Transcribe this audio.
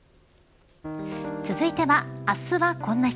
続いては、あすはこんな日。